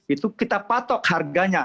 itu kita patok harganya